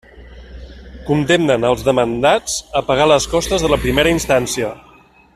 Condemnem als demandats a pagar les costes de la primera instància.